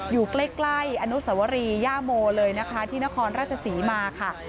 อยู่ใกล้อานุสวรีย่ามโมที่นครราชศรีมาค่ะ